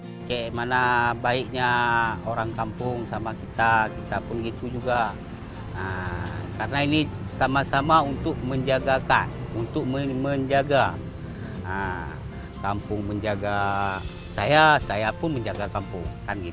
bagaimana baiknya orang kampung sama kita kita pun begitu juga karena ini sama sama untuk menjaga kampung saya pun menjaga kampung